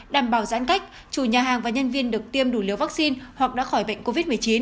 đảm bảo giãn cách chủ nhà hàng và nhân viên được tiêm đủ liều vaccine hoặc đã khỏi bệnh covid một mươi chín